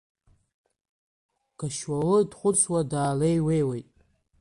Гашьуалы дхәыцуа даалеиҩеиуеит.